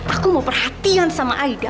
aku mau perhatian sama aida